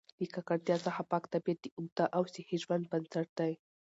له ککړتیا څخه پاک طبیعت د اوږده او صحي ژوند بنسټ دی.